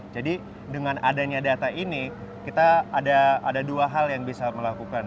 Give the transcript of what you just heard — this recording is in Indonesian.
jadi dengan adanya data ini kita ada dua hal yang bisa melakukan